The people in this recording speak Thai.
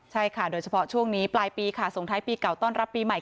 ใช่ค่ะโดยเฉพาะช่วงนี้ปลายปีค่ะส่งท้ายปีเก่าต้อนรับปีใหม่